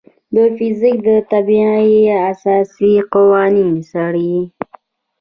فزیک د طبیعت اساسي قوانین څېړي.